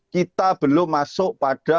kita belum masuk pada